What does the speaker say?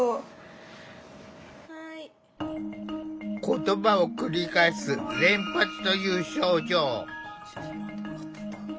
言葉を繰り返す「連発」という症状。